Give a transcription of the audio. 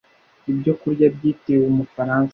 Ibyo kurya byitiriwe umufaransa